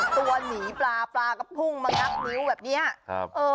ตัวหนีปลาปลาก็พุ่งมากับนิ้วแบบนี้